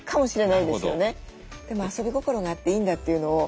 でも遊び心があっていいんだっていうのを。